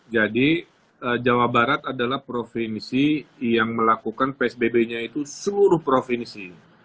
jadi jawa barat adalah provinsi yang melakukan psbb nya itu seluruh provinsi